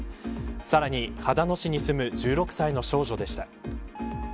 さらに秦野市に住む１６歳の少女でした。